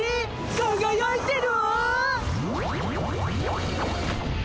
かがやいてるわ！